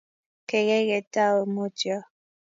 keikei ketou mutyo